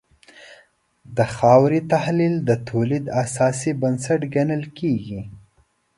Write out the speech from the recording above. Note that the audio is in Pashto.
د خاورې تحلیل د تولید اساسي بنسټ ګڼل کېږي.